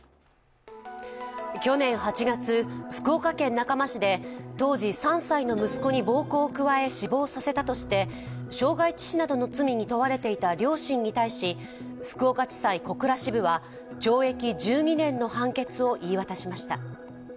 去年８月、福岡県中間市で当時３歳の息子に暴行を加え死亡させたとして傷害致死などの罪に問われていた両親に対し、福岡地裁小倉支部は懲役１２年の判決を言い渡しました。